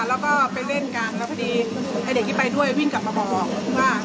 แล้วก็ไปเล่นกันแล้วพอดีไอ้เด็กที่ไปด้วยวิ่งกลับมาบอกว่า